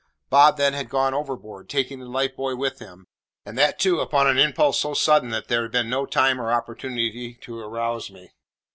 Bob then had gone overboard, taking the life buoy with him, and that too upon an impulse so sudden that there had been no time or opportunity to arouse me.